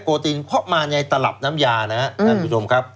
นิโคตีนพบมาในตลับน้ำยานะครับคุณผู้ชมครับ